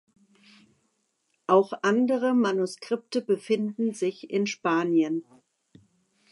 Auch andere Manuskripte befinden sich in Spanien.